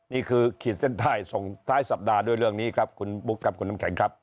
ขีดเส้นใต้ส่งท้ายสัปดาห์ด้วยเรื่องนี้ครับคุณบุ๊คครับคุณน้ำแข็งครับ